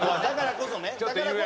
だからこそ。